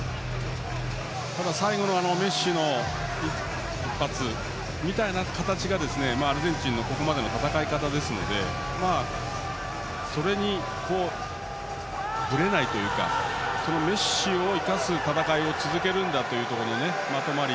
ただ最後のメッシの一発みたいな形がアルゼンチンのここまでの戦い方ですのでそれにぶれないというかメッシを生かす戦いを続けるんだというところのまとまり。